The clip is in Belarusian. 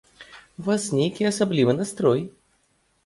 У вас нейкі асаблівы настрой.